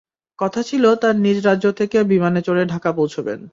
কথা ছিল, তারা নিজ নিজ রাজ্য থেকে বিমানে চড়ে ঢাকা পৌঁছবেন।